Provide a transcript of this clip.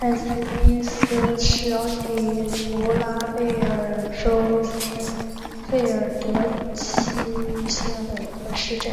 萨泰因斯是奥地利福拉尔贝格州费尔德基希县的一个市镇。